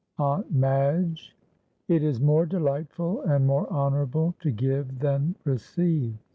AUNT MADGE. "It is more delightful and more honourable to give than receive."